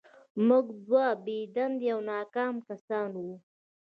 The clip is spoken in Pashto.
موږ دوه بې دندې او ناکام کسان وو